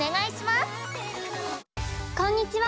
こんにちは！